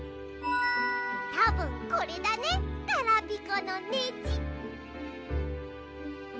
たぶんこれだねガラピコのネジ！